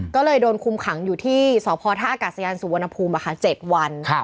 ก็เลยโดนคุมขังอยู่ที่สพท่าอากาศยานสุวรรณภูมิ๗วัน